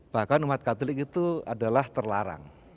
bahkan umat katolik itu adalah terlarang